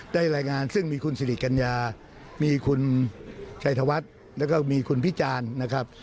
รายงานซึ่งมีคุณสิริกัญญามีคุณชัยธวัฒน์แล้วก็มีคุณพิจารณ์นะครับ